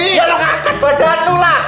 ya lo angkat badan lu lah